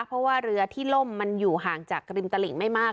เพราะว่าเรือที่ล่มมันอยู่ห่างจากริมตลิ่งไม่มาก